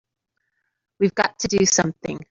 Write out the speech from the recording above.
We've got to do something!